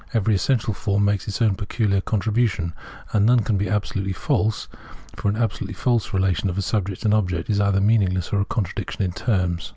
Every essential form makes it own peculiar contribution; and none can be absolutely false, for an absolutely false relation of subject and object is either meaningless or a contradiction in terms.